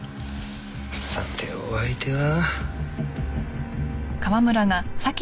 さてお相手は？